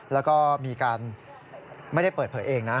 แล้วก็มีการไม่ได้เปิดเผยเองนะ